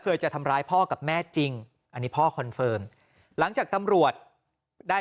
จะทำร้ายพ่อกับแม่จริงอันนี้พ่อคอนเฟิร์มหลังจากตำรวจได้